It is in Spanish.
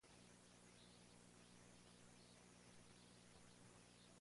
Su tamaño oscilaba entre el de un coyote y un oso.